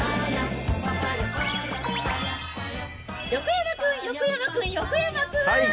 横山君、横山君、横山君。